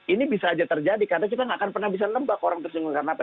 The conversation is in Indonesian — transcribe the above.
ini bisa aja terjadi karena kita nggak akan pernah bisa nembak orang tersinggung karena apa